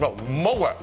これ！